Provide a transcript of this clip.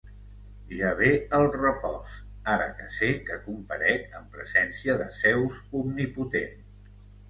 Ja ve el repòs, ara que sé que comparec en presència de Zeus omnipotent.